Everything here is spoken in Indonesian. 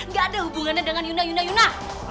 gak ada hubungannya dengan yuna yuna yuna